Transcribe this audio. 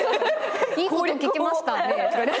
いいこと聞きましたね。